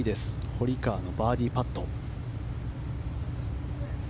堀川のバーディーパット。